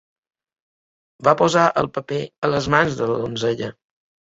Va posar el paper a les mans de la donzella